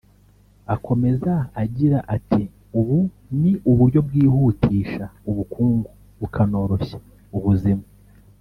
Akomeza agira ati ”Ubu ni uburyo bwihutisha ubukungu bukanoroshya ubuzima